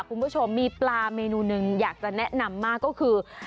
คุณผู้ชมมีปลาเมนูหนึ่งอยากจะแนะนำมากก็คือ